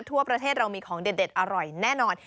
ทั่วประเทศเรามีของเด็ดอร่อยแน่นอน